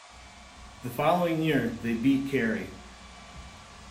The following year they beat Kerry.